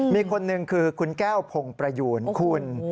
มีคนหนึ่งคือคุณแก้วพงประยูนคุณ